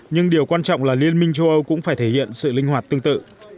nhưng điều quan trọng là liên minh châu âu cũng phải thể hiện sự linh hoạt tương tự